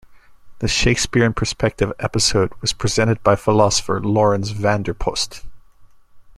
The "Shakespeare in Perspective" episode was presented by philosopher Laurens van der Post.